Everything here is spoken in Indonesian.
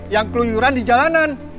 yang keluyuran di jalanan